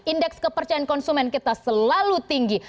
indeks kepercayaan konsumen kita selalu tinggi